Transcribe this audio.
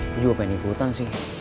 gue juga pengen ikutan sih